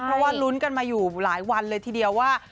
เพราะว่าลุ้นกันมาอยู่หลายวันเลยทีเดียวว่า